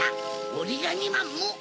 おりがみまんも！